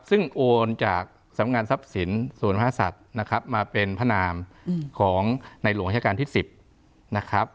ซึ่งโอนจากสำงานทรัพย์ศิลป์สวนพระศัตริย์มาเป็นพนามของในหลวงอาชารการที่๑๐นะครับ